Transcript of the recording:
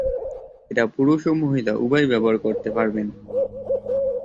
এটি পুরুষ ও মহিলা উভয়েই ব্যবহার করতে পারবেন।